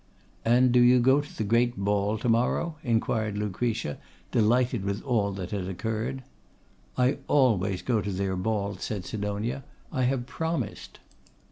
'And do you go to the great ball to morrow?' inquired Lucretia, delighted with all that had occurred. 'I always go to their balls,' said Sidonia, 'I have promised.